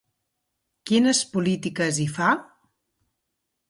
Quines polítiques hi fa?